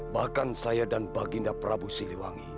bahkan saya dan baginda prabu siliwangi